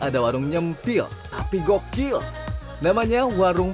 keanggap olur kemana kaliigh